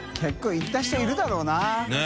觜行った人いるだろうな。ねぇ。